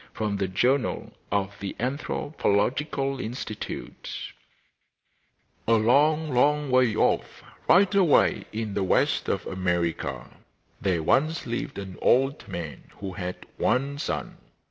[From the Journal of the Anthropological Institute.] Adventures of an Indian Brave A long, long way off, right away in the west of America, there once lived an old man who had one son.